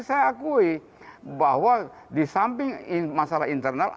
saya akui bahwa di samping masalah internal